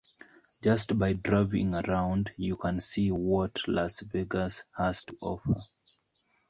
Just by driving around, you can see what Las Vegas has to offer.